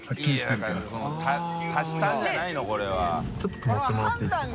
ちょっと止まってもらっていいですか？